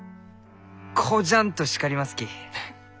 こじゃんと叱りますき。